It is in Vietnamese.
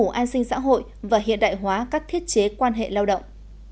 ủng hộ an sinh xã hội và hiện đại hóa các thiết chế quan hệ lao động